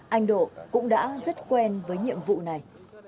anh độ cũng đã rất quen với nhiệm vụ này